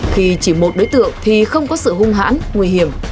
khi chỉ một đối tượng thì không có sự hung hãn nguy hiểm